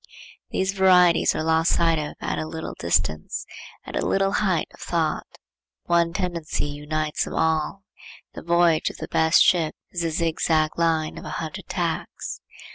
These varieties are lost sight of at a little distance, at a little height of thought. One tendency unites them all. The voyage of the best ship is a zigzag line of a hundred tacks.